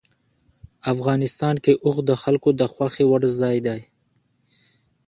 افغانستان کې اوښ د خلکو د خوښې وړ ځای دی.